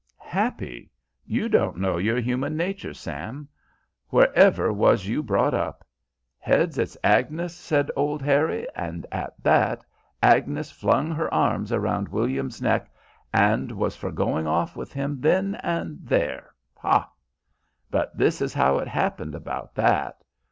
"Happy! You don't know your human nature, Sam; wherever was you brought up? 'Heads it's Agnes,' said old Harry, and at that Agnes flung her arms round William's neck and was for going off with him then and there, ha! But this is how it happened about that.